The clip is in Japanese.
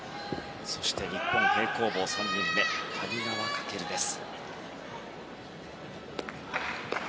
そして、日本の平行棒３人目谷川翔です。